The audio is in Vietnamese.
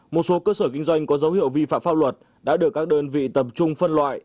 một số cơ sở kinh doanh có dấu hiệu vi phạm pháp luật đã được các đơn vị tập trung phân loại